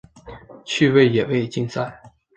趣味野外竞赛。